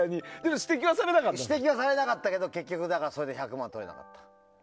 指摘はされなかったけどそれで１００万は取れなかった。